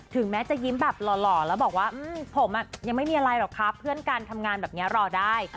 แม้จะยิ้มแบบหล่อแล้วบอกว่าผมยังไม่มีอะไรหรอกครับเพื่อนการทำงานแบบนี้รอได้